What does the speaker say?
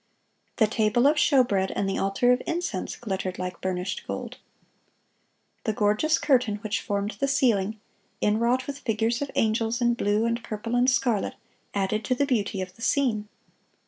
The table of showbread and the altar of incense glittered like burnished gold. The gorgeous curtain which formed the ceiling, inwrought with figures of angels in blue and purple and scarlet, added to the beauty of the scene.